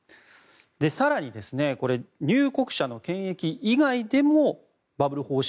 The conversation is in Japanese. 更に、入国者の検疫以外でもバブル方式